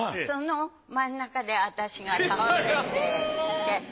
その真ん中で私が倒れて。